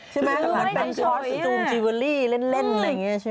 ใช่ไหมคือมันตังค์ชอสสุดรูปจีเวอรี่เล่นอย่างนี้ใช่ไหมใช่ไหม